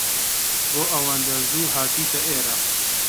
بۆ ئەوەندە زوو هاتوویتە ئێرە؟